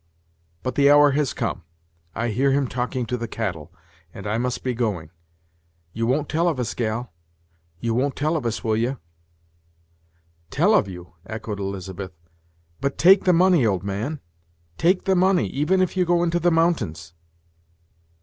But the hour has come; I hear him talking to the cattle, and I must be going. You won't tell of us, gal you won't tell of us, will ye?" "Tell of you!" echoed Elizabeth. "But take the money, old man; take the money, even if you go into the mountains."